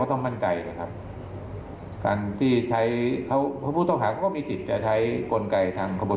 ฟังท่านเพิ่มค่ะบอกว่าถ้าผู้ต้องหาหรือว่าคนก่อเหตุฟังอยู่